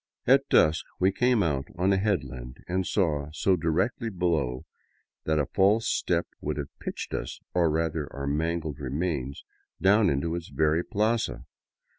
At dusk we came out on a headland and saw, so directly below that a false step would have pitched us, or rather our mangled remains, down into its very plaza